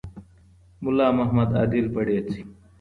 ملا محمد عادل بړېڅى